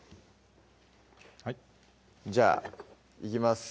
はいじゃあいきます